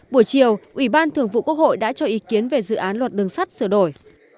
buổi chiều ủy ban thường vụ quốc hội đã cho ý kiến về dự án luật đường sắt sửa đổi